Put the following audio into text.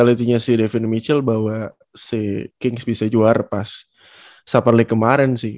defensivenya si davion mitchell bahwa si kings bisa juara pas summer league kemarin sih